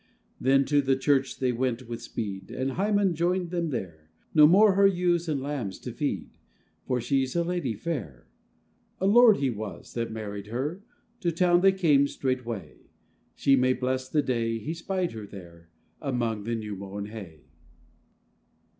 Then to the church they went with speed, And Hymen joined them there; No more her ewes and lambs to feed, For she's a lady fair: A lord he was that married her, To town they came straightway: She may bless the day he spied her there, Among the new mown hay.